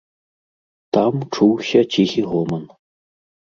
Там чуўся ціхі гоман.